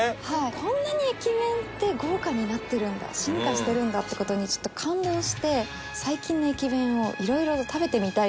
こんなに駅弁って豪華になってるんだ進化してるんだって事にちょっと感動して最近の駅弁をいろいろと食べてみたいぞと。